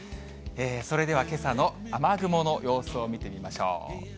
それではけさの雨雲の様子を見てみましょう。